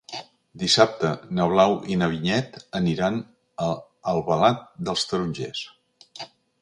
Dissabte na Blau i na Vinyet aniran a Albalat dels Tarongers.